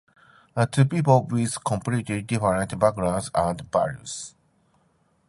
Two people with completely different backgrounds and values.